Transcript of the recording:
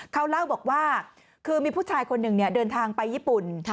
เขาเล่าบอกว่าคือมีผู้ชายคนหนึ่งเดินทางไปญี่ปุ่น